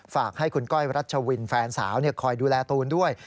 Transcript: ฝากให้คุณก้อยรัชวินแฟนสาวคอยดูแลตูนด้วย